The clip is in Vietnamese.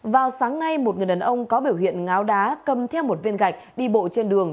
vào sáng nay một người đàn ông có biểu hiện ngáo đá cầm theo một viên gạch đi bộ trên đường